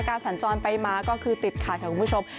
การสั่นจอนใบม้าก็คือติดขัดค่ะคุณผู้ชม